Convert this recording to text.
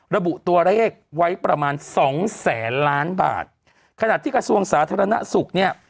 ระบุตัวเลขไว้ประมาณสองแสนล้านบาทขณะที่กระทรวงสาธารณสุขเนี่ย